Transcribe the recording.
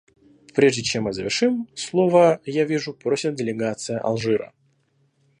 Прежде чем мы завершим, слова, я вижу, просит делегация Алжира.